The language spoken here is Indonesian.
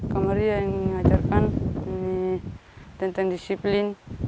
kamu maria yang mengajarkan tentang disiplin